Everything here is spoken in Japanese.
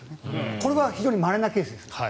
これは非常にまれなケースです。